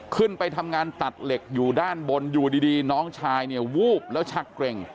ขึ้นไปทำงานตัดเหล็กอยู่ด้านบนอยู่ดีน้องชายเนี่ยวูบแล้วชักเกร็ง